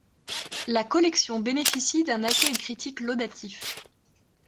La collection bénéficie d'un accueil critique laudatif.